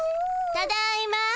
ただいま！